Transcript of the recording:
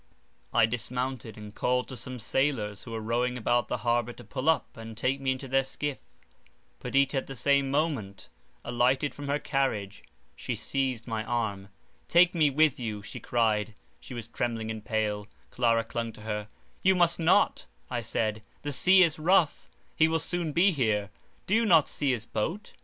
I dismounted, and called to some sailors who were rowing about the harbour to pull up, and take me into their skiff; Perdita at the same moment alighted from her carriage—she seized my arm—"Take me with you," she cried; she was trembling and pale; Clara clung to her—"You must not," I said, "the sea is rough—he will soon be here—do you not see his boat?"